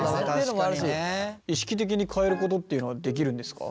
意識的に変えることっていうのはできるんですか？